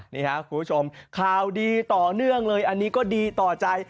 นี่ครับคุณผู้ชมข่าวดีต่อเนื่องเลยอันนี้ก็ดีต่อใจ